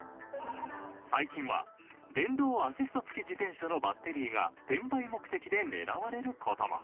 最近は電動アシスト付き自転車のバッテリーが転売目的で狙われる事も。